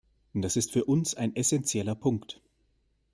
Das ist für uns ein essenzieller Punkt.